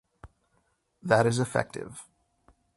That is effective